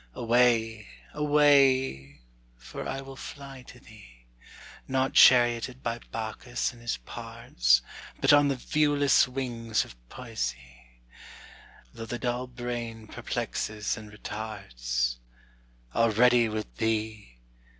Away! away! for I will fly to thee, Not charioted by Bacchus and his pards, But on the viewless wings of Poesy, Though the dull brain perplexes and retards: Already with thee!